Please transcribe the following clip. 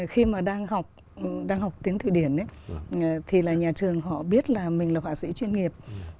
khi mà đang học tiếng thụy điển thì là nhà trường họ biết là mình là họa sĩ chuyên nghiệp